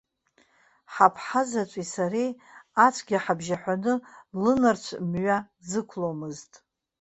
Ҳаԥҳа заҵәи сареи ацәгьа ҳабжьаҳәаны, лынарцә мҩа дзықәломызт.